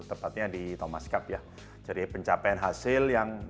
tepatnya di thomas cup ya jadi pencapaian hasil yang